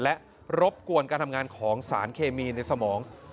และรบกวนการทำงานของสารเคมีในสมอง